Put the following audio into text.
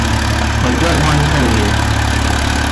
I don't mind telling you.